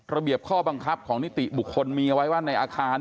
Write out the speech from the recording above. ระเบียบข้อบังคับของนิติบุคคลมีเอาไว้ว่าในอาคาร